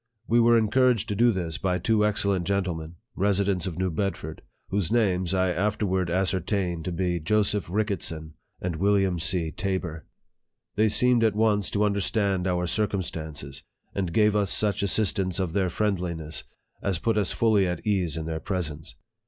We were encouraged to do this by two excellent gentle men, residents of New Bedford, whose names I after ward ascertained to be Joseph Ricketsori and William C. Taber. They seemed at once to understand our circumstances, and gave us such assurance of their friendliness as put us fully at ease in their presence.